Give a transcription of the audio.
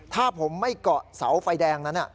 ถ้าผมไม่เกาะเสาไฟแดงนั้น